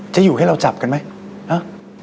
จะอยู่ให้เราจับกันไหม